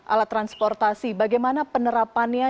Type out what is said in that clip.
alat transportasi bagaimana penerapannya